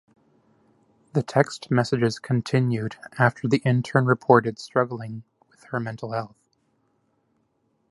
The text messages continued after the intern reported struggling with her mental health.